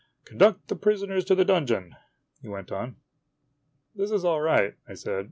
" Con duct the prisoners to the donjon !" he went on. " This is all right," I said.